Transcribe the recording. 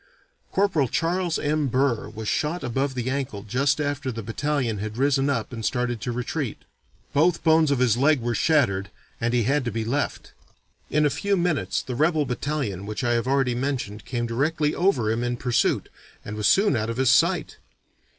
Corporal Charles M. Burr was shot above the ankle just after the battalion had risen up and started to retreat. Both bones of his leg were shattered and he had to be left. In a few minutes the rebel battalion which I have already mentioned came directly over him in pursuit, and was soon out of his sight.